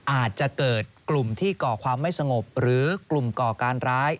อาจจะเกิดกลุ่มที่ก่อความไม่สงบหรือกลุ่มก่อการร้าย